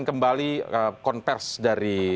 kembali konvers dari